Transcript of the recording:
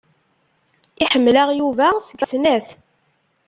Iḥemmel-aɣ Yuba seg snat.